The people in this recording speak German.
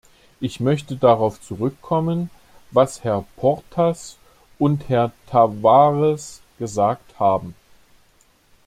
Ich möchte darauf zurückkommen, was Herr Portas und Herr Tavares gesagt haben.